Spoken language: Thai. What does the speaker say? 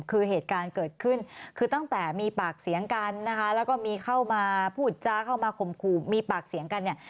คือเหตุการณ์เกิดขึ้นคือตั้งแต่มีปากเสียงกันนะคะแล้วก็มีเข้ามาพูดจ้าเข้ามาข่มขู่มีปากเสียงกันเนี่ย